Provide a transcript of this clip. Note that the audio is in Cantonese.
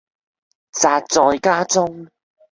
宅在家中